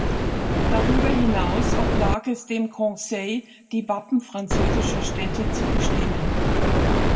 Darüber hinaus oblag es dem Conseil, die Wappen französischer Städte zu bestimmen.